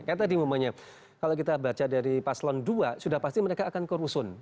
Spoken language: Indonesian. kayak tadi momennya kalau kita baca dari paselan dua sudah pasti mereka akan korusun